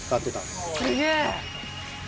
すげえ！